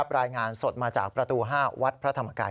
รายงานสดมาจากประตู๕วัดพระธรรมกาย